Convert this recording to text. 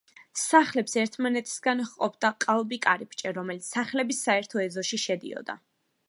სახლებს ერთმანეთისაგან ჰყოფდა ყალბი კარიბჭე, რომელიც სახლების საერთო ეზოში შედიოდა.